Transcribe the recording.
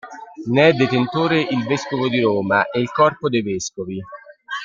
Ne è detentore il Vescovo di Roma e il Corpo dei Vescovi.